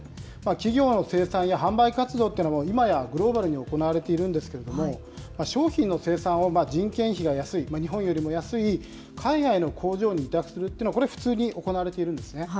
企業の生産や販売活動っていうのも今やグローバルに行われているんですけれども、商品の生産を、人件費が安い、日本よりも安い海外の工場に委託するっていうのは、これ、普通に行われているんですね。